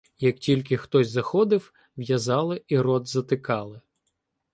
Як тільки хтось заходив, в'язали і рот затикали.